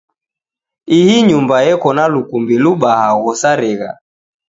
Ihii nyumba eko na lukumbi lubaha gho sarigha.